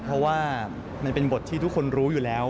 เพราะว่ามันเป็นบทที่ทุกคนรู้อยู่แล้ว